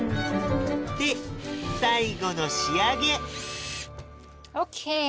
で最後の仕上げＯＫ！